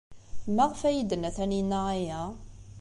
Maɣef ay iyi-d-tenna Taninna aya?